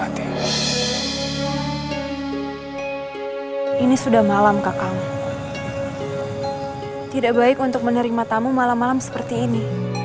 tidak baik untuk menerima tamu malam malam seperti ini